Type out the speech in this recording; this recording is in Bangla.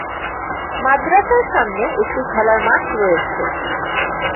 মাদ্রাসার সামনে একটি খেলার মাঠ রয়েছে।